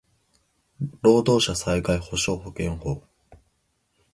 労働者災害補償保険法